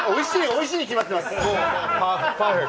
美味しいに決まってます。